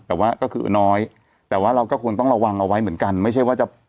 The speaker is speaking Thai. แต่ว่าก็คือน้อยแต่ว่าเราก็ควรต้องระวังเอาไว้เหมือนกันไม่ใช่ว่าจะ